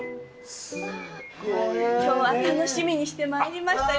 今日は楽しみにしてまいりました。